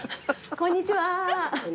こんにちは。